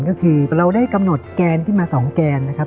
ก็คือเราได้กำหนดแกนขึ้นมา๒แกนนะครับ